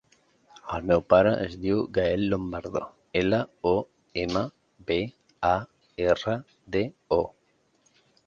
El meu pare es diu Gael Lombardo: ela, o, ema, be, a, erra, de, o.